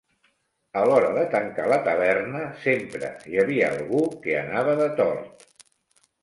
A l'hora de tancar la taverna, sempre hi havia algú que anava de tort.